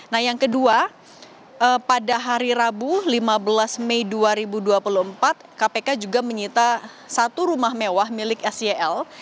nah yang kedua pada hari rabu lima belas mei dua ribu dua puluh empat kpk juga menyita satu rumah mewah milik sel